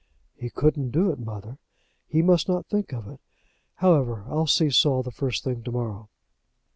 "He couldn't do it, mother. He must not think of it. However, I'll see Saul the first thing to morrow."